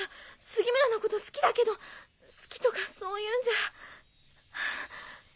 杉村のこと好きだけど好きとかそういうんじゃ。